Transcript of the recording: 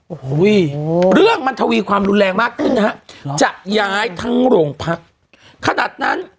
โอ้โหเรื่องมันทวีความรุนแรงมากขึ้นนะฮะจะย้ายทั้งโรงพักขนาดนั้น